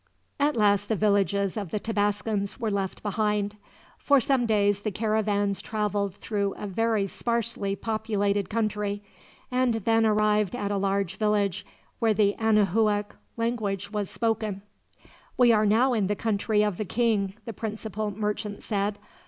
At last the villages of the Tabascans were left behind. For some days the caravans traveled through a very sparsely populated country, and then arrived at a large village, where the Anahuac language was spoken. "We are now in the country of the king," the principal merchant said.